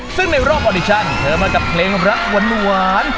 ซึ่งในรอบออดิชันเธอมากับเพลงรักหวาน